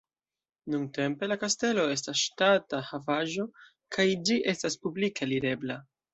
Nuntempe la kastelo estas ŝtata havaĵo kaj ĝi estas publike alirebla.